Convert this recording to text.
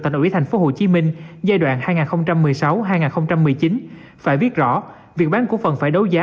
tại nội tp hcm giai đoạn hai nghìn một mươi sáu hai nghìn một mươi chín phải biết rõ việc bán cổ phần phải đấu giá